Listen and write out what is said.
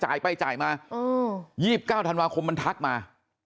ไปจ่ายมา๒๙ธันวาคมมันทักมา